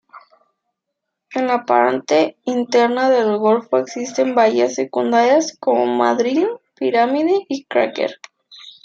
En la parte interna del golfo existen bahías secundarias, como Madryn, Pirámide y Cracker.